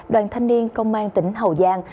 đoàn thanh niên công an tỉnh hậu giang